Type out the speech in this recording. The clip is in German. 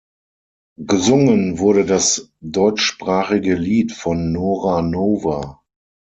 Gesungen wurde das deutschsprachige Lied von Nora Nova.